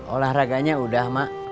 olahraganya udah mak